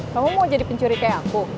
kamu mau jadi pencuri kayak aku